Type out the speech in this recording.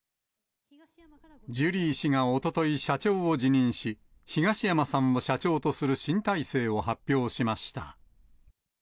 ジュリー氏がおととい、社長を辞任し、東山さんを社長とする新体制を発表しました。